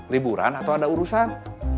liburan atau ada urusan